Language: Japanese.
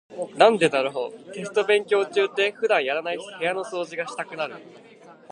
なんでだろう、テスト勉強中って普段やらない部屋の掃除がしたくなる。